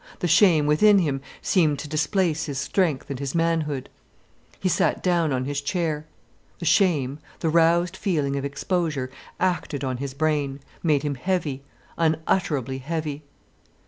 The shame within him seemed to displace his strength and his manhood. He sat down on his chair. The shame, the roused feeling of exposure acted on his brain, made him heavy, unutterably heavy.